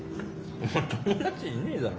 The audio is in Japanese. お前友達いねえだろ。